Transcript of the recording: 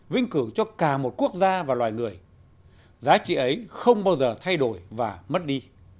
vĩnh cửu cho cả một quốc gia và loài người giá trị ấy không bao giờ thay đổi và mất đi